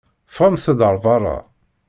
Ffɣemt-d ar beṛṛa!